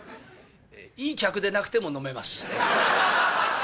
いい客でなくても飲めます。